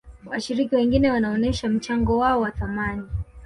washiriki wengine wanaonesha mchango wao wa thamani